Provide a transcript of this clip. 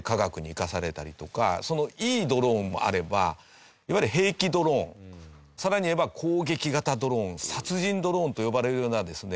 そのいいドローンもあればいわゆる兵器ドローンさらにいえば攻撃型ドローン殺人ドローンと呼ばれるようなですね